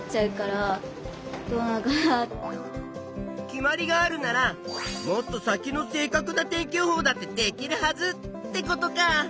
決まりがあるならもっと先の正かくな天気予報だってできるはずってことか。